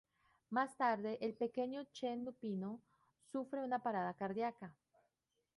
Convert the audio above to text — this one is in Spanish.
Más tarde, el pequeño Chen-Lupino sufre una parada cardiaca.